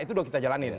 itu doang kita jalanin